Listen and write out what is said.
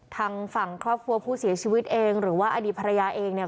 ทางฝั่งครอบครัวผู้เสียชีวิตเองหรือว่าอดีตภรรยาเองเนี่ย